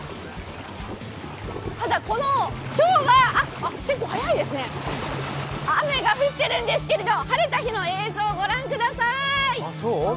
ただ、結構速いですね、今日は雨が降ってるんですけど、晴れた日の映像を御覧ください。